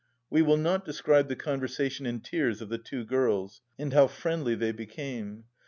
We will not describe the conversation and tears of the two girls, and how friendly they became.